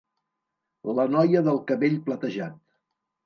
La noia del cabell platejat: